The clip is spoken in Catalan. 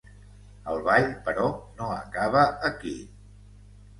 El ball, però, no acaba aquí.